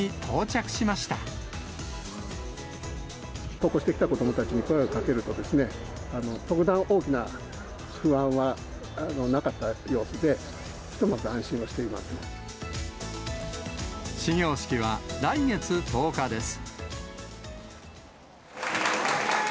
登校してきた子どもたちに声をかけると、特段大きな不安はなかった様子で、ひとまず安心をし始業式は来月１０日です。